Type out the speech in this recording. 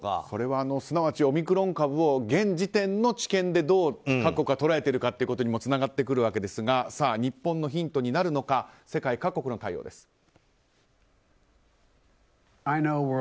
それはすなわちオミクロン株を現時点の知見でどう各国が捉えているかということにもつながっているわけですが日本のヒントになるのか世界各国の対応です。